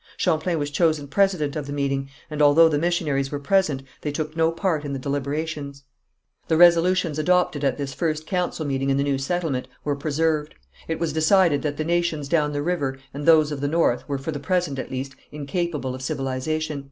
Champlain was chosen president of the meeting, and although the missionaries were present they took no part in the deliberations. The resolutions adopted at this first council meeting in the new settlement were preserved. It was decided that the nations down the river and those of the north were, for the present, at least, incapable of civilization.